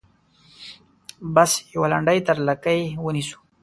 بس یوه لنډۍ تر لکۍ ونیسو.